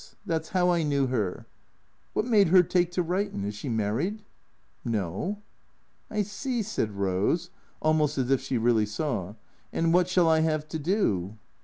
That 's how I knew her." " \Miat made 'er take to writin' ? Is she married ?"" No." " I see," said Eose, almost as if she really saw. " And wot shall I 've to do